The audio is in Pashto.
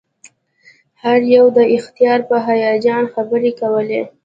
هر یو د اختراع په هیجان خبرې کولې